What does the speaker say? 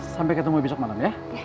sampai ketemu besok malam ya